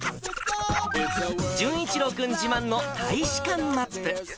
淳一郎君自慢の大使館マップ。